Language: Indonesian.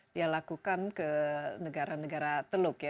dia lakukan ke negara negara teluk ya